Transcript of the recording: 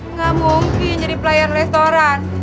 nggak mungkin jadi pelayan restoran